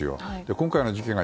今回の事件が